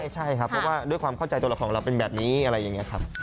ใช่ครับเพราะว่าด้วยความเข้าใจตัวเราของเราเป็นแบบนี้อะไรอย่างนี้ครับ